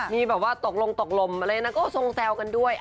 มีแบบว่าตกลงตกลมอะไรนะก็ทรงแซวกันด้วย